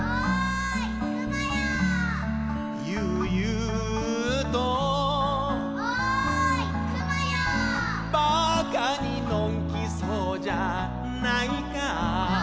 「ゆうゆうと」「馬鹿にのんきそうじゃないか」